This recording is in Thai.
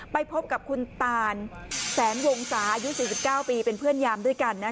ไปพบกับคุณตานแสนวงศาอายุ๔๙ปีเป็นเพื่อนยามด้วยกัน